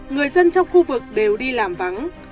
người dân trong khu vực đều đi làm vắng